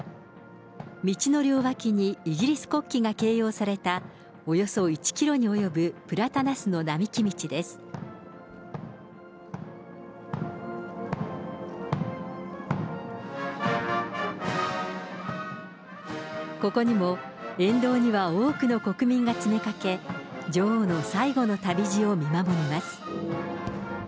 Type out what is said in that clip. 道の両脇にイギリス国旗が掲揚された、ここにも沿道には多くの国民が詰めかけ、女王の最後の旅路を見守ります。